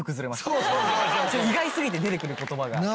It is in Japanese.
意外すぎて出てくる言葉が。